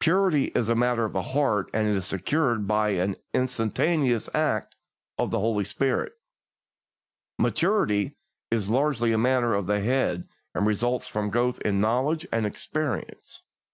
Purity is a matter of the heart, and is secured by an instantaneous act of the Holy Spirit; maturity is largely a matter of the head and results from growth in knowledge and experience.